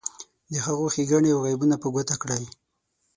د هغو ښیګڼې او عیبونه په ګوته کړئ.